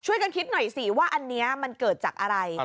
คิดหน่อยสิว่าอันนี้มันเกิดจากอะไร